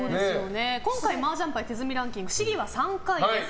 今回、麻雀牌手積みランキング試技は３回です。